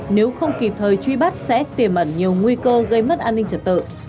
nếu không kịp thời truy bắt sẽ tiềm ẩn nhiều nguy cơ gây mất an ninh trật tự